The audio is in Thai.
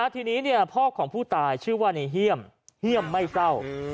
ที่นี้เนี่ยพ่อของผู้ตายชื่อว่าเหี่ยมไม่เศร้า